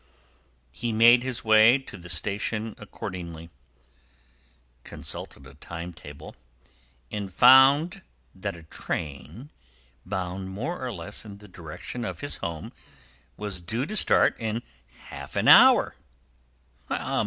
He made his way to the station accordingly, consulted a time table, and found that a train, bound more or less in the direction of his home, was due to start in half an hour.